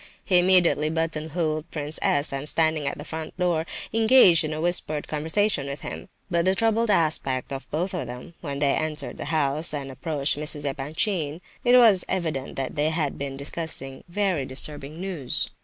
He immediately button holed Prince S., and standing at the front door, engaged in a whispered conversation with him. By the troubled aspect of both of them, when they entered the house, and approached Mrs. Epanchin, it was evident that they had been discussing very disturbing news.